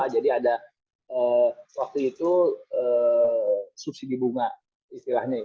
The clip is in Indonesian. jadi ada waktu itu subsidi bunga istilahnya